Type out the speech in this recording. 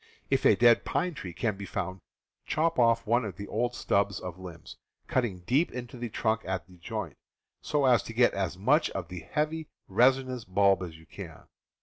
If a dead pine tree can be found, chop off one of the ^ old stubs of limbs, cutting deep into the trunk at the joint, so as to get as much of the heavy resinous bulb as you can.